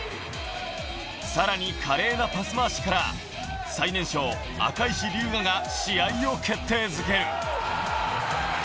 さらに華麗なパスまわしから最年少・赤石竜我が試合を決定づける。